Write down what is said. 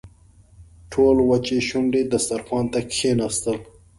ټول وچې شونډې دسترخوان ته کښېناستل.